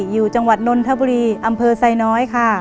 อยู่จังหวัดนนทบุรีอำเภอไซน้อยค่ะ